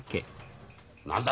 何だ